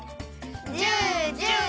ジュージュー！